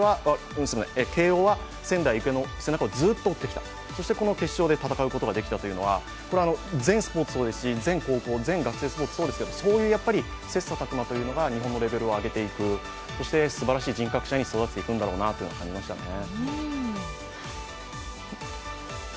それで仙台育英は慶応の背中をずっと追ってきた、そして決勝で戦うことができたというのは全高校、全学生スポーツそうですけど、そうした切磋琢磨がレベルを上げていく、そしてすばらしい人格者に育つんだろうなと思いましたね。